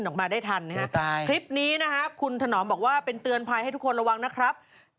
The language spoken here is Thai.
ออกมาได้ทันนะฮะคลิปนี้นะฮะคุณถนอมบอกว่าเป็นเตือนภัยให้ทุกคนระวังนะครับ